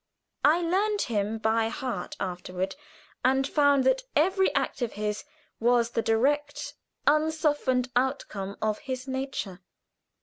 I learned him by heart afterward, and found that every act of his was the direct, unsoftened outcome of his nature.